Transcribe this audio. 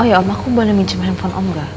oh ya om aku boleh minjem handphone om nggak